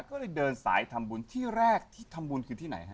ก็เลยเดินสายทำบุญที่แรกที่ทำบุญคือที่ไหนฮะ